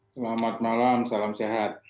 selamat malam salam sehat